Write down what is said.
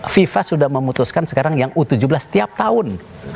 fifa sudah memutuskan sekarang yang u tujuh belas setiap tahun